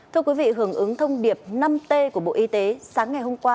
thưa quý vị hưởng ứng thông điệp năm t của bộ y tế sáng ngày hôm qua